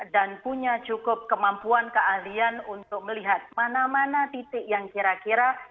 dan punya cukup kemampuan keahlian untuk melihat mana mana titik yang kira kira kita bisa ikuti